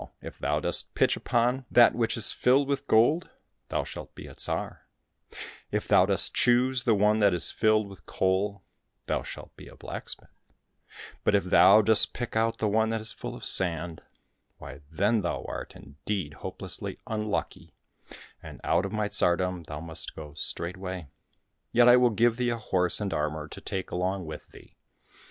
if thou dost pitch ^ upon that which is filled with gold, thou shalt be a Tsar ; if thou dost choose the one that is filled with coal, thou shalt be a blacksmith ; but if thou dost pick out the one that is full of sand, why then thou art indeed hopelessly unlucky, and out of my tsardom thou must go straightway, yet I will give thee a horse and armour to take along with thee."